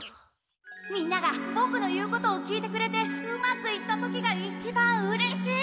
みんながボクの言うことを聞いてくれてうまくいった時が一番うれしい！